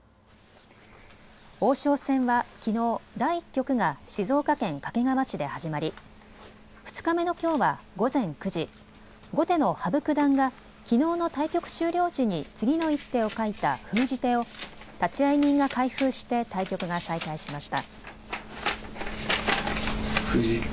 王将戦はきのう、第１局が静岡県掛川市で始まり２日目のきょうは午前９時、後手の羽生九段がきのうの対局終了時に次の一手を書いた封じ手を立会人が開封して対局が再開しました。